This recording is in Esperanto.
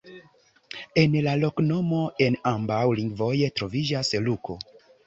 En la loknomo en ambaŭ lingvoj troviĝas Luko.